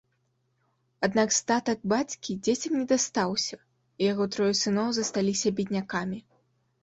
Аднак статак бацькі дзецям не дастаўся, і яго трое сыноў засталіся беднякамі.